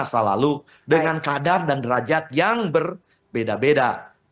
mereka selalu dengan kadar dan derajat yang berbeda beda